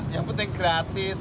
yang penting gratis